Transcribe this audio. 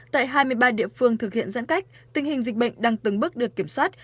tại hai mươi ba địa phương thực hiện giãn cách tình hình dịch bệnh đang từng bước được kiểm soát